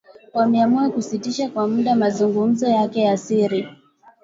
Wameamua kusitisha kwa muda mazungumzo yake ya siri